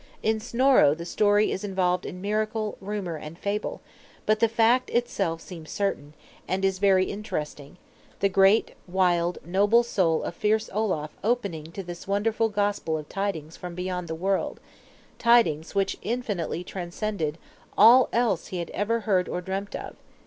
In Snorro the story is involved in miracle, rumor, and fable; but the fact itself seems certain, and is very interesting; the great, wild, noble soul of fierce Olaf opening to this wonderful gospel of tidings from beyond the world, tidings which infinitely transcended all else he had ever heard or dreamt of!